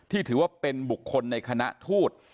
ถือว่าเป็นบุคคลในคณะทูต